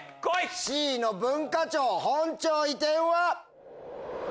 Ｃの「文化庁本庁移転」は？